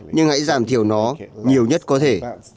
nhưng hãy giảm thiểu nó nhiều nhất có thể